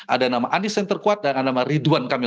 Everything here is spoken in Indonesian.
ada nama anies yang terkuat dan nama ridwan kamil